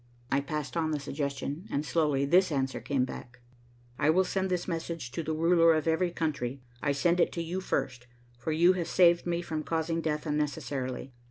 I passed on the suggestion, and slowly this answer came back. "I will send this message to the ruler of every country. I send it to you first, for you have saved me from causing death unnecessarily.